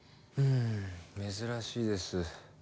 うん珍しいです。